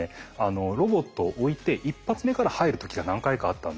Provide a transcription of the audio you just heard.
ロボットを置いて１発目から入る時が何回かあったんですよね。